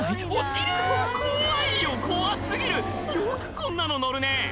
怖いよ怖過ぎるよくこんなの乗るね